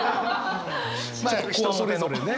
まあ人それぞれね。